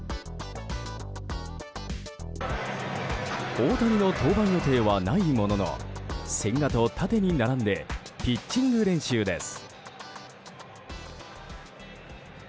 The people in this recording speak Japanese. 大谷の登板予定はないものの千賀と縦に並んでピッチング練習です。